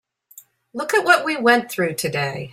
Look at what we went through today.